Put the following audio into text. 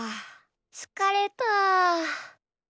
つかれた。